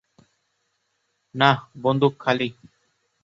না, বন্দুক খালি।